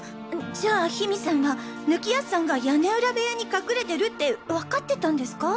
じゃあ緋美さんは貫康さんが屋根裏部屋に隠れてるってわかってたんですか？